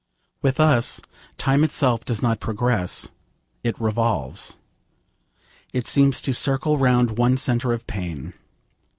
With us time itself does not progress. It revolves. It seems to circle round one centre of pain.